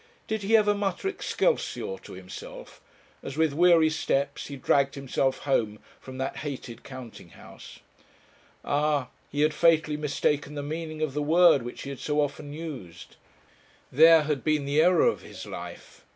Did he ever mutter 'Excelsior' to himself, as, with weary steps, he dragged himself home from that hated counting house? Ah! he had fatally mistaken the meaning of the word which he had so often used. There had been the error of his life.